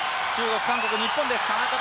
中国、韓国、日本です。